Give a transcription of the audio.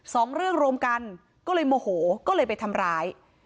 สองเรื่องรวมกันก็เลยโมโหก็เลยไปทำร้าย